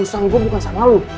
eh urusan gue bukan sama lo